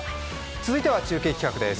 続いては中継企画です。